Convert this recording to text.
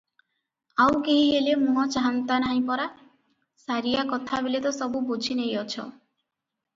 ଆଉ କେହି ହେଲେ ମୁହଁ ଚାହନ୍ତା ନାହିଁ ପରା?" ସାରିଆ କଥାବେଳେ ତ ସବୁ ବୁଝି ନେଇଅଛ!